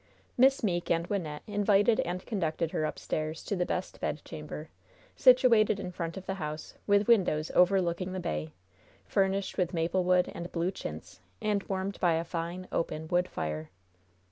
Miss Meeke and Wynnette invited and conducted her upstairs to the best bedchamber, situated in front of the house, with windows overlooking the bay; furnished with maple wood and blue chintz, and warmed by a fine, open, wood fire.